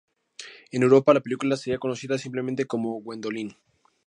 En Europa, la película sería conocida simplemente como "Gwendoline".